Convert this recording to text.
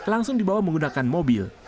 langsung dibawa menggunakan mobil